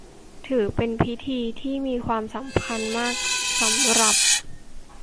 ถือเป็นพิธีที่มีความสำคัญมากสำหรับ